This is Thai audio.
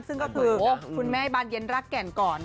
ซึ่งก็คือคุณแม่บานเย็นรักแก่นก่อน